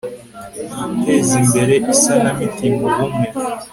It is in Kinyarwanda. gutezimbere isana mitima ubumwe